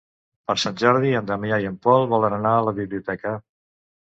Per Sant Jordi en Damià i en Pol volen anar a la biblioteca.